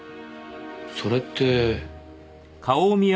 それって。